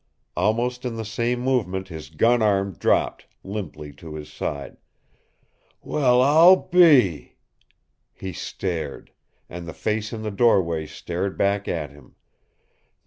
Almost in the same movement his gun arm dropped limply to his side. "Well, I'll be " He stared. And the face in the doorway stared back at him.